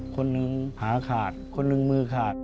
คนหนึ่งขาขาดคนหนึ่งมือขาด